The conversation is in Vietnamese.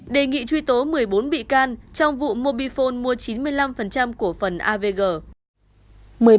đề nghị truy tố một mươi bốn bị can trong vụ mobifone mua chín mươi năm cổ phần avg